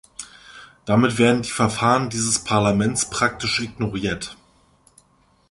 Damit werden die Verfahren dieses Parlaments praktisch ignoriert.